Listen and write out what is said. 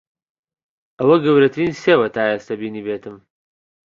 ئەوە گەورەترین سێوە تا ئێستا بینیبێتم.